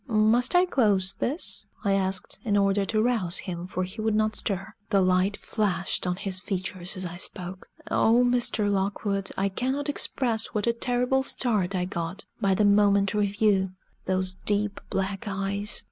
"Must I close this?" I asked, in order to rouse him, for he would not stir. The light flashed on his features as I spoke. O Mr. Lockwood, I cannot express what a terrible start I got by the momentary view! Those deep black eyes!